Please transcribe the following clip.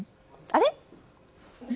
あれ？